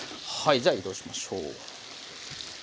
じゃあ移動しましょう。